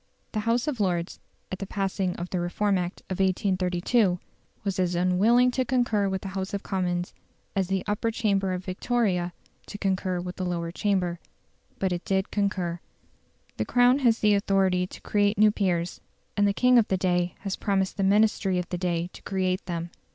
The House of Lords, at the passing of the Reform Act of 1832, was as unwilling to concur with the House of Commons as the Upper Chamber at Victoria to concur with the Lower Chamber. But it did concur. The Crown has the authority to create new peers; and the king of the day had promised the Ministry of the day to create them.